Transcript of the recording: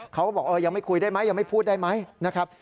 เขาบอกยังไม่คุยได้ไหมยังไม่พูดได้ไหมนะครับ